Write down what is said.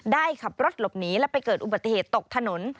ได้ขับรถหลบหนีและไปเกิดอุบัติเหตุตกถนน